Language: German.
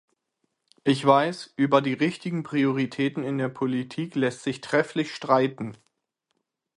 Ich weiß, über die richtigen Prioritäten in der Politik lässt sich trefflich streiten.